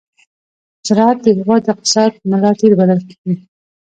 زراعت د هېواد د اقتصاد ملا تېر بلل کېږي.